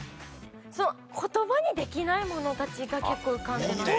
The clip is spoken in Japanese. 言葉にできないものたちが結構浮かんでます。